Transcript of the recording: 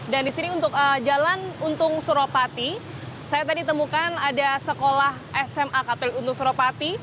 dan di sini untuk jalan untung suropati saya tadi temukan ada sekolah sma katolik untung suropati